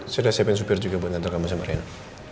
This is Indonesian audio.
saya udah siapin supir juga buat nanti kamu sama reina